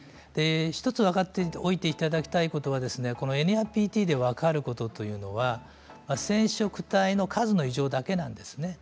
１つ分かっておいていただきたいのはＮＩＰＴで分かることというのは染色体の数の異常だけなんですね。